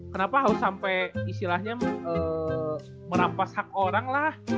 kenapa harus sampai istilahnya merampas hak orang lah